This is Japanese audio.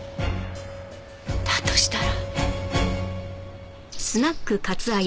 だとしたら。